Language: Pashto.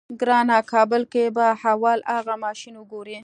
ګرانه کابل کې به اول اغه ماشين وګورې.